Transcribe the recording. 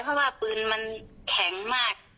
เพราะว่าปืนมันแข็งมาก